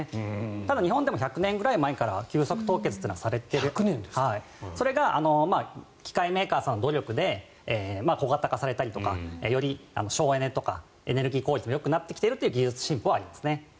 ただ、日本でも１００年くらい前から急速凍結はされていてそれが機械メーカーさんの努力で小型化されたりとかより省エネとかエネルギー効率もよくなってきているという技術進歩はありますね。